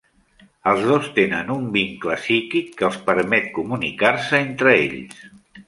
Els dos tenen un vincle psíquic que els permet comunicar-se entre ells.